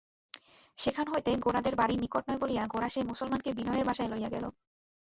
সেখান হইতে গোরাদের বাড়ি নিকট নয় বলিয়া গোরা সেই মুসলমানকে বিনয়ের বাসায় লইয়া গেল।